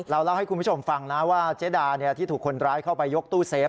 เล่าให้คุณผู้ชมฟังนะว่าเจ๊ดาที่ถูกคนร้ายเข้าไปยกตู้เซฟ